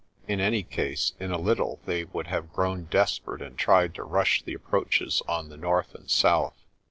In any case, in a little they would have grown desperate and tried to rush the approaches on the north and south.